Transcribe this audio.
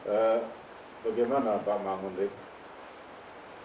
eh bagaimana pak mangun rik